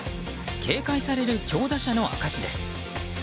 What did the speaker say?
警戒される強打者の証しです。